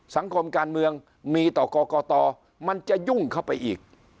สังคมการเมืองมีต่อกรกตมันจะยุ่งเข้าไปอีก